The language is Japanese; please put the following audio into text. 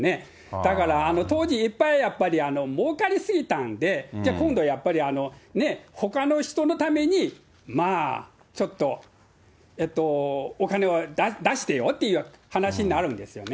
だから、当時、いっぱいやっぱり、もうかり過ぎたんで、今度、やっぱり、ね、ほかの人のためにまあ、ちょっと、えっとお金を出してよという話になるんですよね。